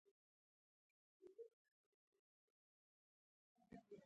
پیلوټ د تاریخ په پاڼو کې نوم لري.